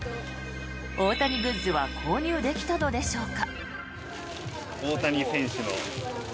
大谷グッズは購入できたのでしょうか？